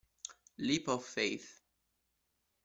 Leap of Faith